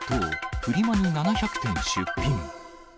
フリマに７００点出品。